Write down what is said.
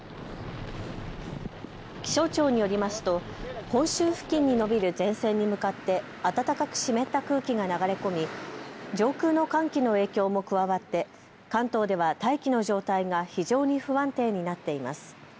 気象庁によりますと本州付近に延びる前線に向かって暖かく湿った空気が流れ込み上空の寒気の影響も加わって関東では大気の状態が非常に不安定になっています。